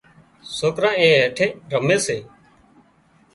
سوڪران اين هيٺي رمي سي